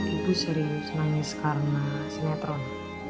ibu sering nangis karena sinetron